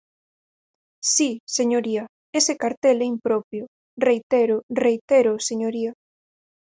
Si, señoría, ese cartel é impropio; reitéroo, reitéroo, señoría.